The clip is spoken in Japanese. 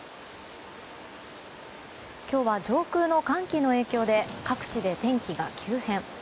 今日は上空の寒気の影響で各地で天気が急変。